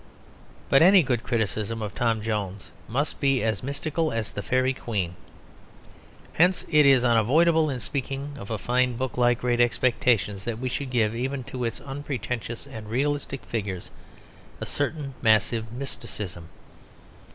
But any good criticism of Tom Jones must be as mystical as the Faery Queen. Hence it is unavoidable in speaking of a fine book like Great Expectations that we should give even to its unpretentious and realistic figures a certain massive mysticism.